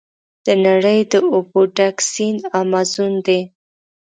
د نړۍ د اوبو ډک سیند امازون دی.